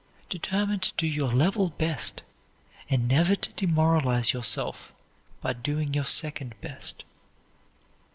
Determine to do your level best and never to demoralize yourself by doing your second best.